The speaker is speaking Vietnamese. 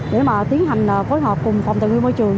để tiến hành phối hợp cùng phòng thành viên môi trường